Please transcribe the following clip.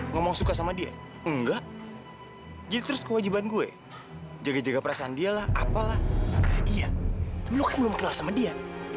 kalau menurut lu gue gak pantas sama dia